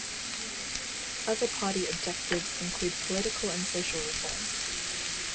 Other party objectives include political and social reform.